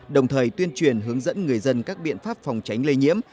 đồng thời tuyên truyền hướng dẫn người dân các biện pháp phòng tránh lây nhiễm